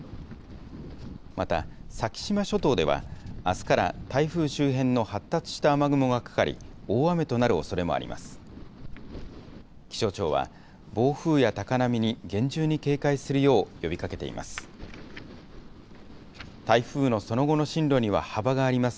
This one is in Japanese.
また、先島諸島ではあすから台風周辺の発達した雨雲がかかり、大雨となるおそれもあります。